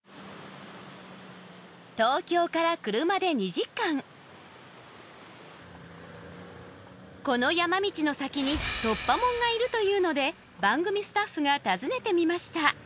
東京から車で２時間この山道の先に「突破者」がいるというので番組スタッフが訪ねてみました